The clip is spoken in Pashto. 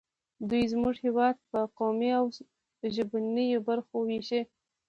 دوی زموږ هېواد په قومي او ژبنیو برخو ویشي